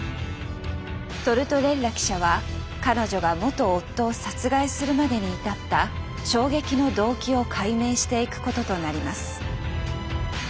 トルトレッラ記者は彼女が元夫を殺害するまでに至った衝撃の動機を解明していくこととなります。